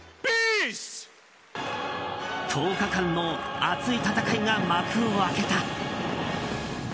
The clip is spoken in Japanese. １０日間の熱い戦いが幕を開けた。